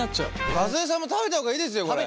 和江さんも食べた方がいいですよこれ。